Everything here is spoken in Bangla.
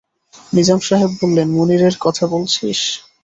নিজাম সাহেব বললেন, মুনিরের কথা বলছিস?